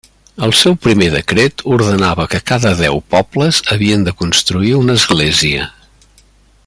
El seu primer decret ordenava que cada deu pobles havien de construir una església.